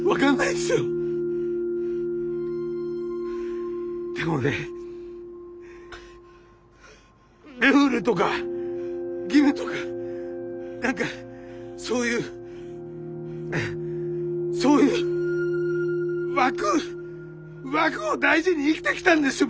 でもねルールとか義務とか何かそういうそういう枠枠を大事に生きてきたんですよ